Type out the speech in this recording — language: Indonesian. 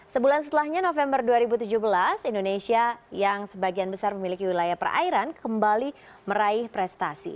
sebulan setelahnya november dua ribu tujuh belas indonesia yang sebagian besar memiliki wilayah perairan kembali meraih prestasi